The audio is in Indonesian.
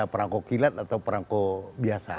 perangkuk kilat atau perangkuk biasa